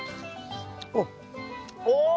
お！